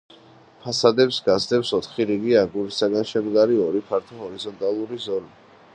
ფასადებს გასდევს ოთხი რიგი აგურისაგან შემდგარი ორი ფართო ჰორიზონტალური ზოლი.